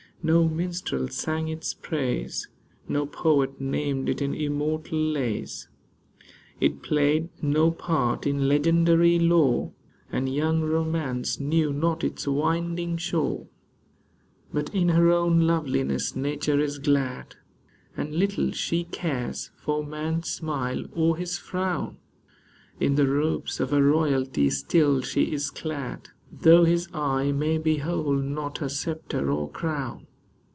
No minstrel sang its praise, No poet named it in immortal lays. It played no part in legendary lore. And young Romance knew not its winding shore. THE RIVER OTTER lO/ But in her own loveliness Nature is glad, And little she cares for man's smile or his frown ; In the robes of her royalty still she is clad, Though his eye may behold not her sceptre or crown